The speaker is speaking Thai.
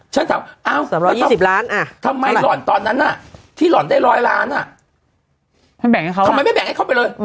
ฉันถามเอ้าทำไมหล่อนตอนนั้นที่หล่อนได้๑๐๐ล้านทำไมไม่แบ่งให้เขาไปเลย